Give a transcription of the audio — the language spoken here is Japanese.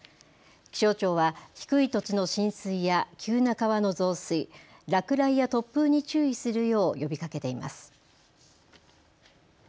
気象庁は低い土地の浸水や急な川の増水、落雷や突風に注意するよう呼びかけています。